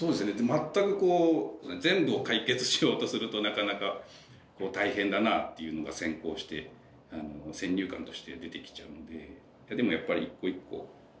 全くこう全部を解決しようとするとなかなか大変だなというのが先行して先入観として出てきちゃうので。